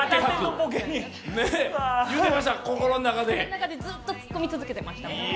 心の中でずっとツッコミ続けてました。